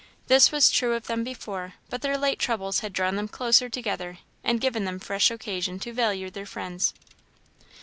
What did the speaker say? This was true of them before; but their late troubles had drawn them closer together, and given them fresh occasion to value their friends.